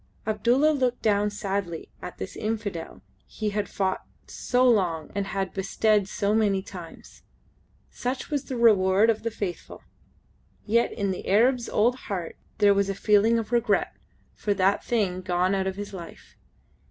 Abdulla looked down sadly at this Infidel he had fought so long and had bested so many times. Such was the reward of the Faithful! Yet in the Arab's old heart there was a feeling of regret for that thing gone out of his life.